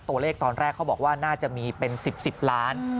ตัวเลขตอนแรกเขาบอกว่าน่าจะมีเป็น๑๐๑๐ล้าน